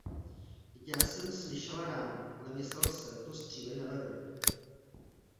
Dyť já sem slyšal ránu, ale myslel sem, to střílej na veverky.